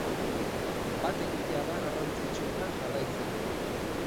Bat egitea da garrantzitsuena jarraitzeko.